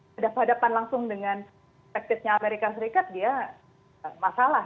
hadapan hadapan langsung dengan perspektifnya amerika serikat dia masalah